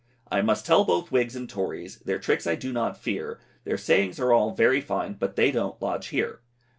I must tell both wigs and tories, Their tricks I do not fear, Their sayings all are very fine, But they don't lodge here.